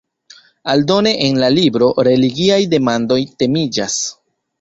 Aldone en la libro religiaj demandoj temiĝas.